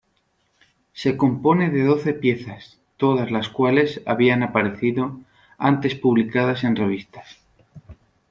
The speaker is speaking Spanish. Se compone de doce piezas, todas las cuales habían aparecido antes publicadas en revistas.